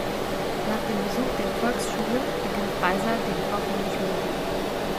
Nach dem Besuch der Volksschule ergriff Weiser den kaufmännischen Beruf.